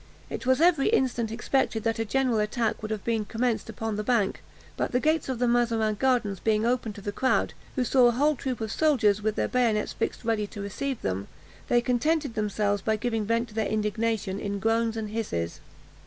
It was every instant expected that a general attack would have been commenced upon the bank; but the gates of the Mazarin Gardens being opened to the crowd, who saw a whole troop of soldiers, with their bayonets fixed ready to receive them, they contented themselves by giving vent to their indignation in groans and hisses.